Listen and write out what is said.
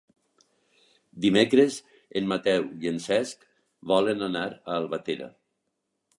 Dimecres en Mateu i en Cesc volen anar a Albatera.